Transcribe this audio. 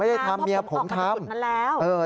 ผมไม่ได้ทำเมียผมทำผมออกมาจากจุดนั้นแล้ว